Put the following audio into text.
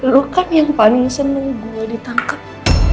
lu kan yang paling seneng gue ditangkap